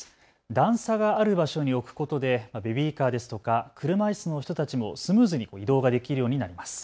段差がある場所に置くことでベビーカーですとか車いすの人たちもスムーズに移動ができるようになります。